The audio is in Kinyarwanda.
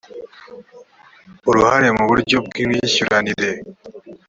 uruhare mu buryo bw imyishyuranire